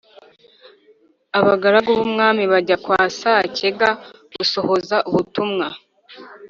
Abagaragu b'umwami bajya kwa Sacyega gusohoza ubutumwa.